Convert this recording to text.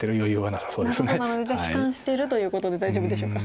なさそうなのでじゃあ悲観してるということで大丈夫でしょうか。